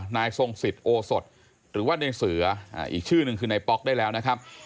นายทรงสิทธิโอสดหรือว่าในเสืออีกชื่อหนึ่งคือนายป๊อกได้แล้วนะครับ